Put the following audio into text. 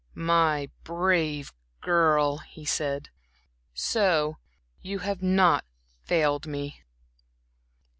"My brave girl," he said. "So you have not failed me."